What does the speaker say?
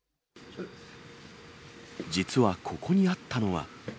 実はここにあったのは。